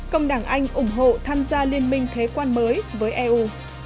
công đảng anh ủng hộ tham gia liên minh thế quan mới với eu